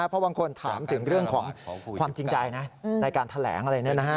เพราะบางคนถามถึงเรื่องของความจริงใจในการแถลงอะไร